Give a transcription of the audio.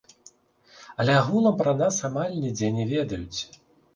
Але агулам пра нас амаль нідзе не ведаюць.